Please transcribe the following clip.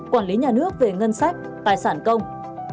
quản lý nhà nước về ngân sách tài sản công